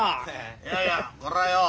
いやいやこれはよ